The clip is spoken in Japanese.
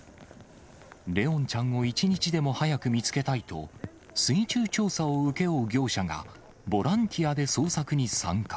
怜音ちゃんを一日でも早く見つけたいと、水中調査を請け負う業者が、ボランティアで捜索に参加。